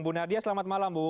bu nadia selamat malam bu